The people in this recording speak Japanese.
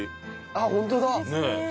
あっホントだ！